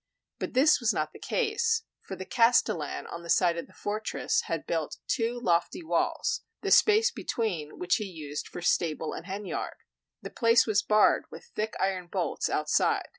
But this was not the case; for the castellan on the side of the fortress had built two lofty walls, the space between which he used for stable and hen yard; the place was barred with thick iron bolts outside.